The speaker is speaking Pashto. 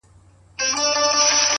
اوس مي د هغي دنيا ميـر ويـــده دی،